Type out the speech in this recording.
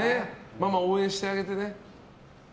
ママ、応援してあげてね。